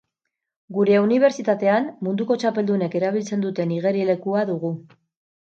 Gure unibertsitatean munduko txapeldunek erabiltzen duten igerilekua dugu.